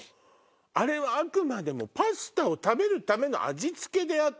あれはあくまでもパスタを食べるための味付けであって。